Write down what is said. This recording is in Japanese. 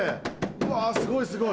うわすごいすごい。